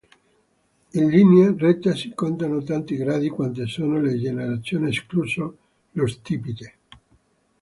In linea retta si contano tanti gradi quante sono le generazioni, escluso lo stipite.